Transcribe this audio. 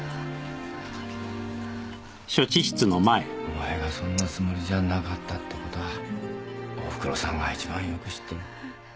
お前がそんなつもりじゃなかったってことはおふくろさんがいちばんよく知ってる。